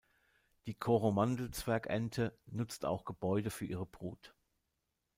Die Coromandel-Zwergente nutzt auch Gebäude für ihre Brut.